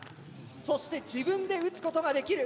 そして自分で打つことができる。